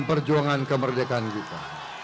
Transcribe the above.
dan perjuangan kemerdekaan kita